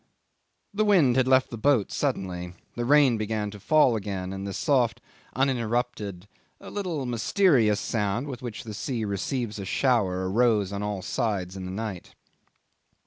'The wind had left the boat suddenly. The rain began to fall again, and the soft, uninterrupted, a little mysterious sound with which the sea receives a shower arose on all sides in the night.